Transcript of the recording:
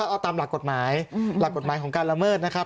เอาตามหลักกฎหมายหลักกฎหมายของการละเมิดนะครับ